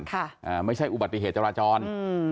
ค่ะอ่าไม่ใช่อุบัติเหตุจราจรอืม